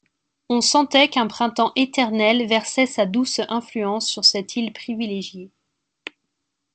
On sentait qu’un printemps éternel versait sa douce influence sur cette île privilégiée.